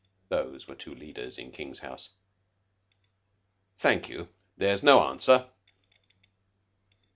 (Those were two leaders in King's house.) Thank you. There's no answer."